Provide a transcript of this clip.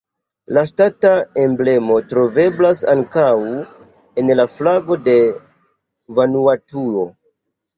La ŝtata emblemo troveblas ankaŭ en la flago de Vanuatuo.